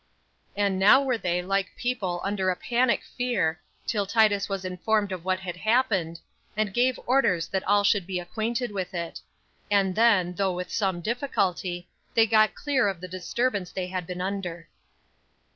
And now were they like people under a panic fear, till Titus was informed of what had happened, and gave orders that all should be acquainted with it; and then, though with some difficulty, they got clear of the disturbance they had been under.